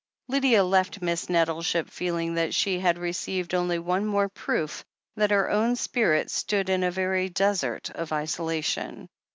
Lydia left Miss Nettleship feeling that she had re ceived only one more proof that her own spirit stood in a very desert of isolation.